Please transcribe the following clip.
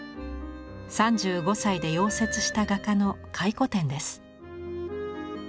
３５歳で夭折した画家の回顧展です。